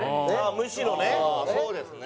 むしろね。